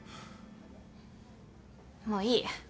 もういい。